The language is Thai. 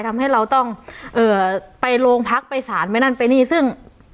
ทำให้เราต้องเอ่อไปโรงพักไปสารไปนั่นไปนี่ซึ่ง